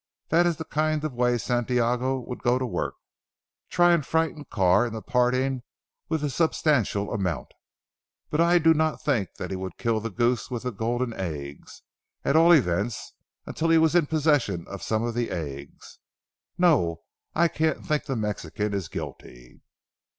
That is the kind of way Santiago would go to work. Try and frighten Carr into parting with a substantial amount. But I do not think that he would kill the goose with the golden eggs at all events until he was in possession of some of the eggs. No, I can't think the Mexican is guilty."